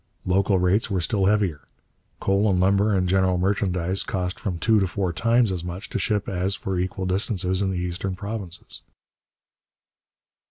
Local rates were still heavier. 'Coal and lumber and general merchandise cost from two to four times as much to ship as for equal distances in the eastern provinces.'